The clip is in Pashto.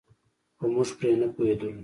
خو موږ پرې نه پوهېدلو.